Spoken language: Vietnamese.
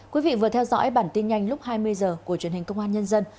quý vị vừa theo dõi bản tin nhanh lúc hai mươi h của truyền hình công an nhân dân